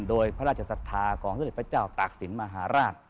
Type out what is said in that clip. โดยพระราชสัตว์ศรัทธาของพระเจ้าตากศิลป์มหาราช